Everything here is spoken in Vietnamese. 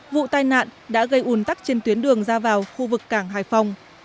vụ tai nạn đã gây ủn tắc trên tuyến đường ra vào khu vực cảng hải phòng